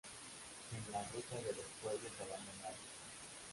En la Ruta de los Pueblos Abandonados.